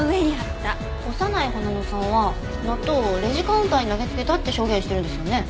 長内花野さんは納豆をレジカウンターに投げつけたって証言してるんですよね？